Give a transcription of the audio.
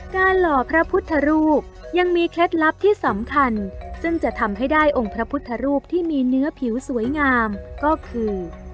หล่อพระพุทธรูปยังมีเคล็ดลับที่สำคัญซึ่งจะทำให้ได้องค์พระพุทธรูปที่มีเนื้อผิวสวยงามก็คือ